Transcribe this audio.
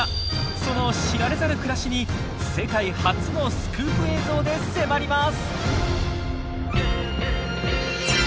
その知られざる暮らしに世界初のスクープ映像で迫ります！